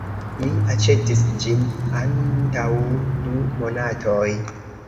Mi aĉetis ĝin antaŭ du monatoj.